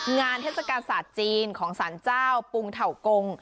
งานเทศการส่าศจีนของสานเจ้าปุงเต่ากง